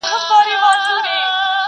له کماله یې خواږه انګور ترخه کړه.